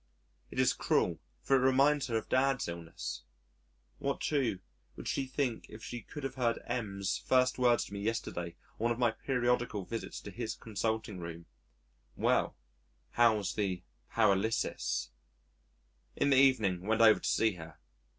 It is cruel for it reminds her of Dad's illness.... What, too, would she think if she could have heard M 's first words to me yesterday on one of my periodical visits to his consulting room, "Well, how's the paralysis?" In the evening went over to see her.